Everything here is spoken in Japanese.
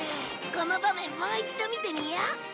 この場面もう一度見てみよう。